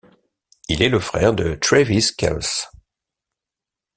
Il est le frère de Travis Kelce.